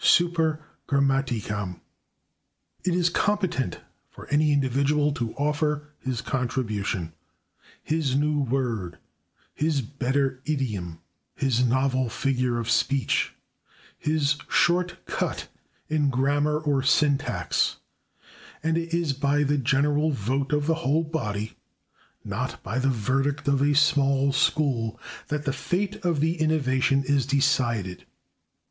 super grammaticam/." It is competent for any individual to offer his contribution his new word, his better idiom, his novel figure of speech, his short cut in grammar or syntax and it is by the general vote of the whole body, not by the verdict of a small school, that the fate of the innovation is decided.